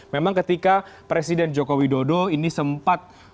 memang ketika presiden joko widodo ini sempat